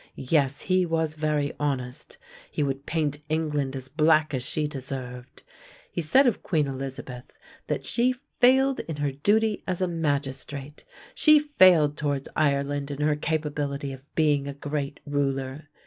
Yes; he was very honest; he would paint England as black as she deserved. He said of Queen Elizabeth that she failed in her duty as a magistrate; she failed towards Ireland in her capability of being a great ruler.